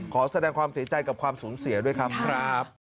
ขอแสดงความเสียใจกับความสูญเสียด้วยครับ